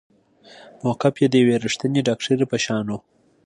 موقف يې د يوې رښتينې ډاکټرې په شان وه.